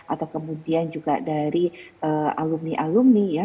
atau kemudian juga dari alumni alumni ya